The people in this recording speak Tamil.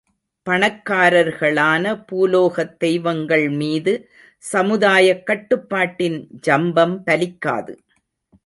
பணக்காரர்களான பூலோகத் தெய்வங்கள் மீது சமுதாயக் கட்டுப்பாட்டின் ஜம்பம் பலிக்காது.